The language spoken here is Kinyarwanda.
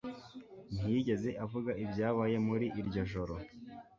ntiyigeze avuga ibyabaye muri iryo joro.